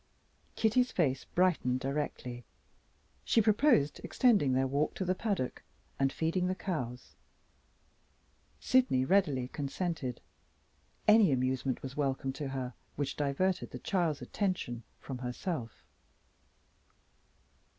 Kitty's face brightened directly. She proposed extending their walk to the paddock, and feeding the cows. Sydney readily consented. Any amusement was welcome to her which diverted the child's attention from herself.